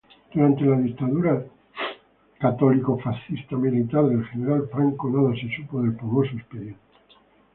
Durante la dictadura militar del general Franco nada se supo del famoso expediente.